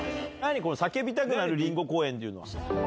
この叫びたくなるりんご公園っていうのは。